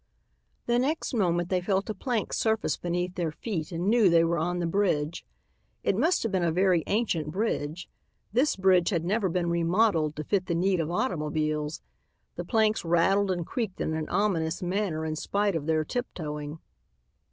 '" The next moment they felt a plank surface beneath their feet and knew they were on the bridge. It must have been a very ancient bridge. This road had never been remodelled to fit the need of automobiles. The planks rattled and creaked in an ominous manner in spite of their tiptoeing.